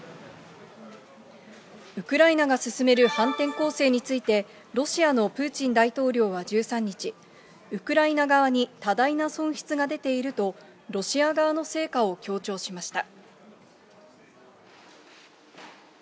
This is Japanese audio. ウクライナが進める反転攻勢について、ロシアのプーチン大統領は１３日、ウクライナ側に多大な損失が出ていると、ロシア側の成果を強調しました。